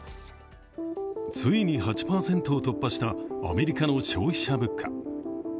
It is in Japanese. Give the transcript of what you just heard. ついに８５を突破したアメリカの消費者物価。